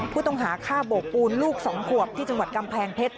ผู้ต้องหาฆ่าโบกปูนลูก๒ขวบที่จังหวัดกำแพงเพชร